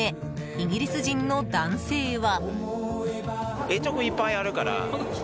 イギリス人の男性は。